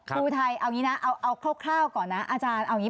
อุทัยเอางี้นะเอาคร่าวก่อนนะอาจารย์